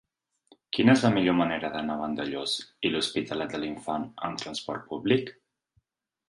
Quina és la millor manera d'anar a Vandellòs i l'Hospitalet de l'Infant amb trasport públic?